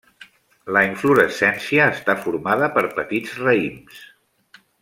La inflorescència està formada per petits raïms.